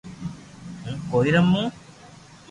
ھون ڪوئي رمو